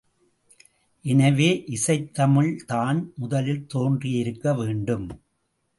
எனவே, இசைத் தமிழ்தான் முதலில் தோன்றியிருக்க வேண்டும்.